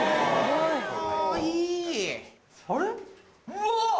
うわ！